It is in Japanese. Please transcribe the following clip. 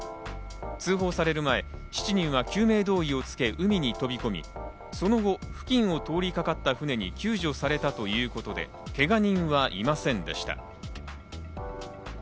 通報される前、７人は救命胴衣を着け、海に飛び込み、その後、付近を通りかかった船に救助されたということで、けが人はいませんでした。